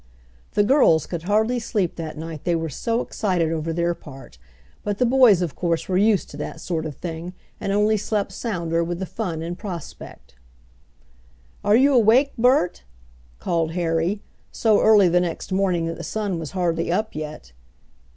The girls could hardly sleep that night, they were so excited over their part, but the boys of course were used to that sort of thing, and only slept sounder with the fun in prospect. "Are you awake, Bert?" called Harry, so early the next morning that the sun was hardly up yet.